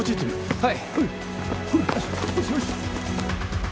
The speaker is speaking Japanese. はい！